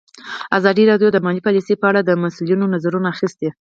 ازادي راډیو د مالي پالیسي په اړه د مسؤلینو نظرونه اخیستي.